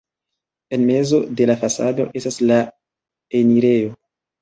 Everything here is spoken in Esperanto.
En mezo de la fasado estas la enirejo.